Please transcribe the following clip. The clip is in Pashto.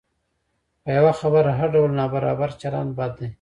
په یوه خبره هر ډول نابرابر چلند بد دی.